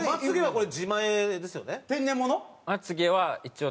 これ。